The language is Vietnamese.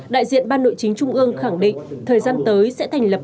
đại diện ban nội chính trung ương khẳng định thời gian tới sẽ thành lập